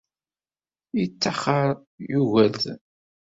Yettaxer Yugurten.